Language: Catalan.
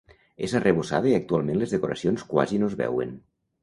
És arrebossada i actualment les decoracions quasi no es veuen.